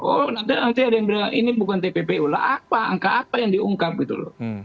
oh nanti ada yang bilang ini bukan tppu lah apa angka apa yang diungkap gitu loh